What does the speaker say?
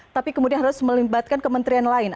tapi kemudian harus melibatkan kementerian lain